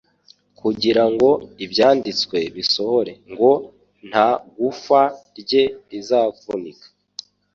kugira ngo Ibyanditswe bisohore ngo : "Nta gufwa rye rizavunika,"